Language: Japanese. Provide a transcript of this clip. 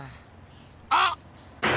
あっ！